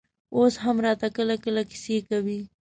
اوس هم راته کله کله کيسې کوي.